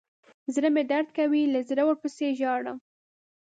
زړه مې درد کوي له زړه ورپسې ژاړم.